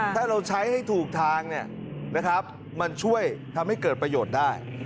ถ้าเราใช้ให้ถูกทางมันช่วยทำให้เกิดประโยชน์ได้